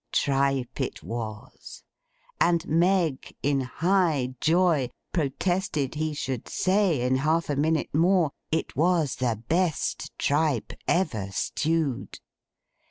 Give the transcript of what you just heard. Tripe it was; and Meg, in high joy, protested he should say, in half a minute more, it was the best tripe ever stewed.